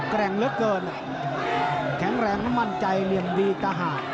แข็งเรือเกินแข็งแรงมั่นใจเลียงดีตหา